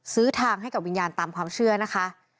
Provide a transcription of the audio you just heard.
ทางให้กับวิญญาณตามความเชื่อนะคะ